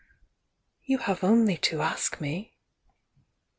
"You have only to ask me."